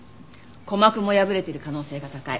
鼓膜も破れている可能性が高い。